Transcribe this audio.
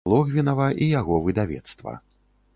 Логвінава і яго выдавецтва.